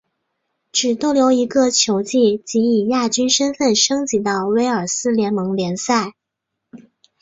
只逗留一个球季即以亚军身份升级到威尔斯联盟联赛。